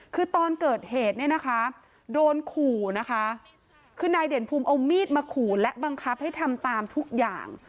คือตอนเกิดเหตุเนี่ยนะคะโดนขู่นะคะคือนายเด่นภูมิเอามีดมาขู่และบังคับให้ทำตามทุกอย่าง